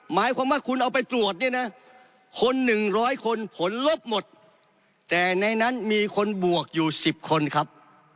หมายความว่าคุณเอาไปตรวจเนี่ยนะคน๑๐๐คนผลลบหมดแต่ในนั้นมีคนบวกอยู่๑๐คนครับ